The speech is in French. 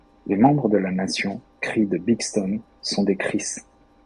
Les membres de la Nation crie de Bigstone sont des Cris.